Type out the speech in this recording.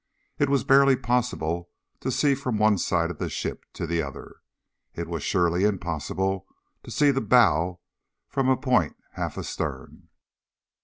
It was barely possible to see from one side of the ship to the other. It was surely impossible to see the bow from a point half astern.